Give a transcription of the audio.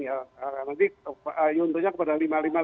jadi yunturnya kepada lima ribu lima ratus lima puluh enam